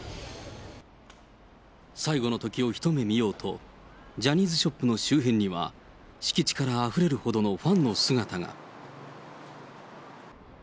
最後の時を一目見ようと、ジャニーズショップの周辺には、敷地からあふれるほどのファンの姿が。